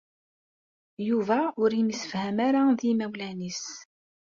Yuba ur yemsefham ara d yimawlan-is.